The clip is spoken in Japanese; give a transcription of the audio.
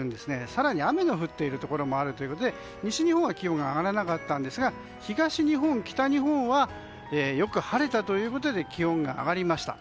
更に雨が降っているところもあるということで西日本は気温が上がらなかったんですが東日本、北日本はよく晴れたということで気温が上がりました。